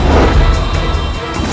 tidak saat untuk menengah